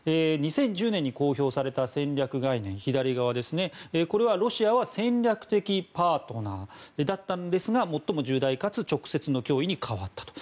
２０１０年に公表された戦略概念では、ロシアは戦略的パートナーだったんですが最も最大かつ直接の脅威に変わったと。